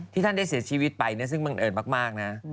ท่านได้เสียชีวิตไปซึ่งบังเอิญมากนะ